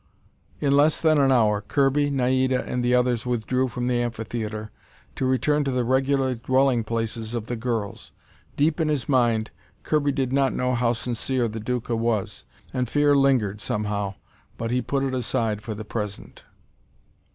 In less than an hour, Kirby, Naida, and the others withdrew from the amphitheatre to return to the regular dwelling places of the girls. Deep in his mind, Kirby did not know how sincere the Duca was, and fear lingered, somehow, but he put it aside for the present.